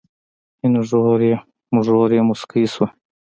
اينږور يې موسکۍ شوه.